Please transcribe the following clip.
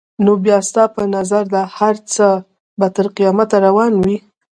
نو بیا ستا په نظر دا هر څه به تر قیامته روان وي؟